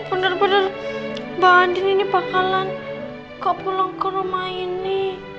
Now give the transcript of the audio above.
bener bener mbak anden ini bakalan gak pulang ke rumah ini